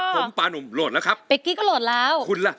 ผมปานุ่มโหลดแล้วครับ